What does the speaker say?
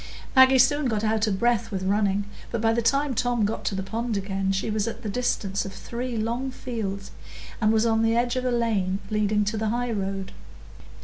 Maggie soon got out of breath with running, but by the time Tom got to the pond again she was at the distance of three long fields, and was on the edge of the lane leading to the highroad.